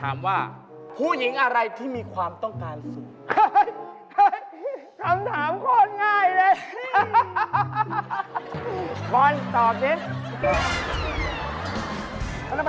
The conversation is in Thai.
อ๊ะแล้วผู้หญิงกำลังมีความต้องการสูงครับ